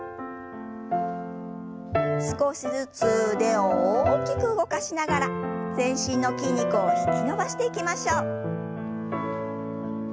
少しずつ腕を大きく動かしながら全身の筋肉を引き伸ばしていきましょう。